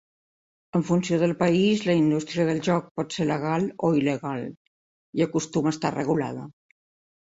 En funció del país, la indústria del joc pot ser legal o il·legal i acostuma a estar regulada.